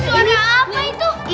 suara apa itu